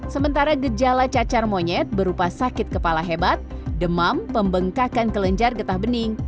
sementara gejala cacar monyet berupa sakit kepala hebat demam pembengkakan kelenjar getah bening